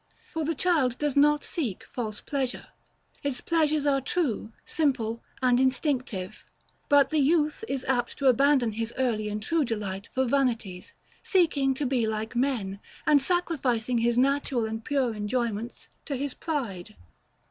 For the child does not seek false pleasure; its pleasures are true, simple, and instinctive: but the youth is apt to abandon his early and true delight for vanities, seeking to be like men, and sacrificing his natural and pure enjoyments to his pride.